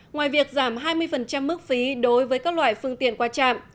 ngoài việc giảm hai mươi mức phí đối với các loại phương tiện qua trạm